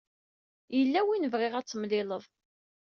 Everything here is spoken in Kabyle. Yella win bɣiɣ ad t-temlileḍ.